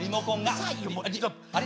「あれ？